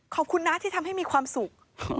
ขอบคุณนะที่ทำให้มีความสุข